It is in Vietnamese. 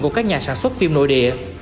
của các nhà sản xuất phim nội địa